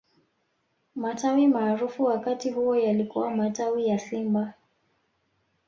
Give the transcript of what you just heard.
matawi maarufu wakati huo yalikuwa matawi ya simba